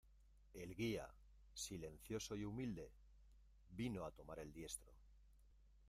el guía, silencioso y humilde , vino a tomar el diestro.